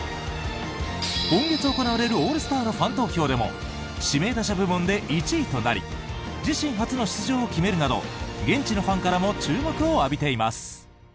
今月行われるオールスターのファン投票でも指名打者部門で１位となり自身初の出場を決めるなど現地のファンからも注目を浴びています。